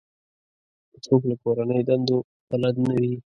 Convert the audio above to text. که څوک له کورنۍ دندو بلد نه وي.